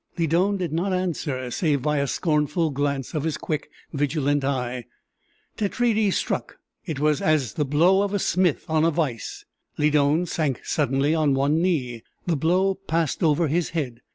Lydon did not answer, save by a scornful glance of his quick, vigilant eye. Tetraides struck it was as the blow of a smith on a vise; Lydon sank suddenly on one knee the blow passed over his head.